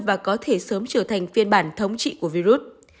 và có thể sớm trở thành phiên bản thống trị của virus